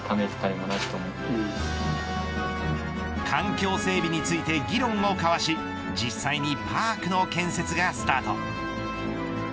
環境整備について議論を交わし実際にパークの建設がスタート。